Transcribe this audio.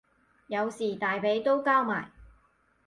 有時大髀都交埋